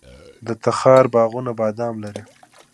د تخار باغونه بادام لري.